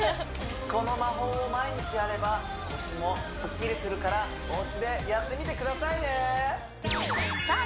この魔法を毎日やれば腰もすっきりするからおうちでやってみてくださいねさあ